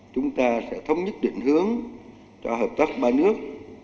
chúng ta sẽ thống nhất định hướng cho hợp tác ba nước